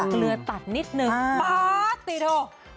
เกลือตัดนิดหนึ่งป๊าติดโฮ